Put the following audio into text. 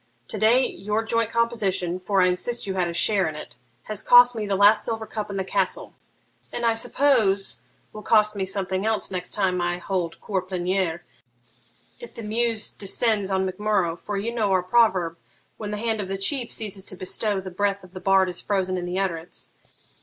To day your joint composition, for I insist you had a share in it, has cost me the last silver cup in the castle, and I suppose will cost me something else next time I hold cour pleniere, if the muse descends on Mac Murrough; for you know our proverb, "When the hand of the chief ceases to bestow, the breath of the bard is frozen in the utterance."